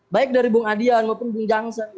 baik dari bung adian maupun bung jansen